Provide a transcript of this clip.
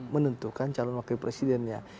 menentukan calon wakil presidennya